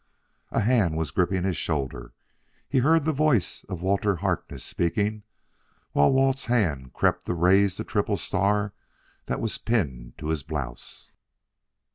A hand was gripping his shoulder; he heard the voice of Walter Harkness speaking, while Walt's hand crept to raise the triple star that was pinned to his blouse.